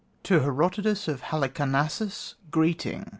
To Herodotus of Halicarnassus, greeting.